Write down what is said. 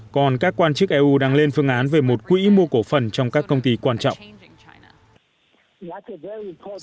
còn các quan chức eu đang lên phương án về một quỹ mua cổ phần trong các công ty quan trọng